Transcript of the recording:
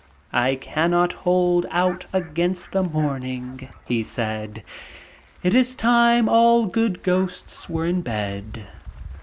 "I cannot hold out against the morning," he said; "it is time all good ghosts were in bed."